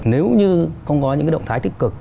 nếu như không có những động thái tích cực